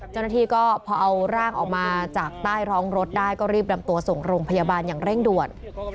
เจ้าหน้าที่ก็พอเอาร่างออกมาจากใต้ท้องรถได้ก็รีบนำตัวส่งโรงพยาบาลอย่างเร่งด่วน